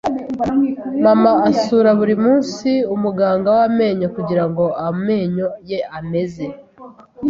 Mama asura buri munsi umuganga w’amenyo kugirango amenyo ye ameze.